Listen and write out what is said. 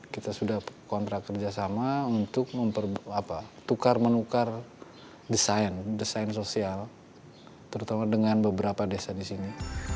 kita sudah kontrak kerjasama untuk tukar menukar desain desain sosial terutama dengan beberapa desa di sini